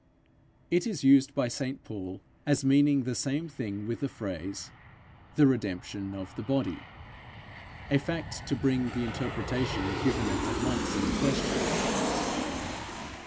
It is used by St Paul as meaning the same thing with the phrase, 'the redemption of the body' a fact to bring the interpretation given it at once into question.